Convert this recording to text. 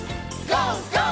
ＧＯ！